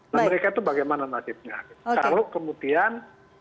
nah mereka itu bagaimana nasibnya kalau kemudian